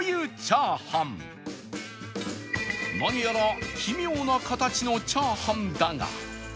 何やら奇妙な形のチャーハンだが